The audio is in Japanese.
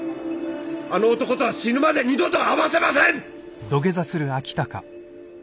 あの男とは死ぬまで二度と会わせません！